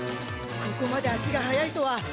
ここまで足が速いとは！